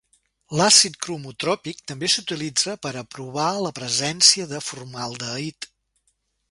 L'àcid cromotròpic també s'utilitza per a provar la presència de formaldehid.